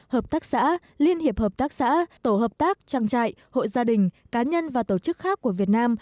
hợp tác xã liên hiệp hợp tác xã tổ hợp tác trang trại hội gia đình cá nhân và tổ chức khác của việt nam